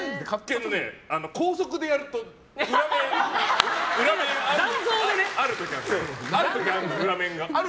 高速でやると裏面ある時ある。